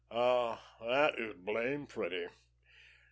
"Ah, that is blame pretty.